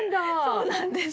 そうなんです。